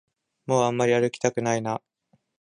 もうあんまり歩きたくないな